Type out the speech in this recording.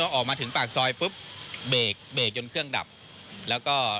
ออกมาถึงปากซอยปุ๊บเบรกเบรกจนเครื่องดับแล้วก็